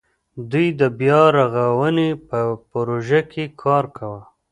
دوی د بیا رغاونې په پروژه کې کار کاوه.